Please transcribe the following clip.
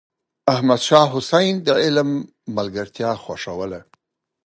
احمد شاه حسين د علم ملګرتيا خوښوله.